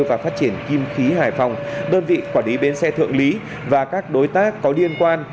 và phát triển kim khí hải phòng đơn vị quản lý bến xe thượng lý và các đối tác có liên quan